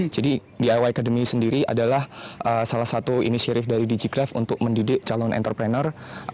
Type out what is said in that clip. jadi diy academy sendiri adalah salah satu inisierif dari digicraft untuk mendidik calon entrepreneur